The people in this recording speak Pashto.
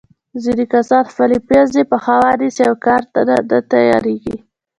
ځینې کسان خپلې پزې په هوا نیسي او کار ته نه تیارېږي.